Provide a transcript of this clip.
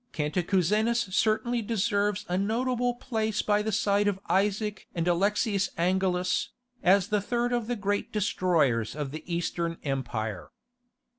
Cantacuzenus certainly deserves a notable place by the side of Isaac and Alexius Angelus, as the third of the great destroyers of the Eastern Empire.